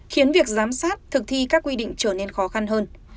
khiến việc giám sát thực thi các quy định trở nên khó khăn hơn